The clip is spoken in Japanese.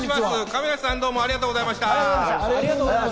亀梨さん、どうもありがとうございました。